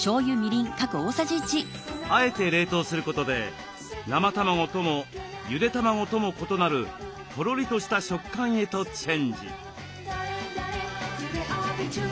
あえて冷凍することで生卵ともゆで卵とも異なるとろりとした食感へとチェンジ。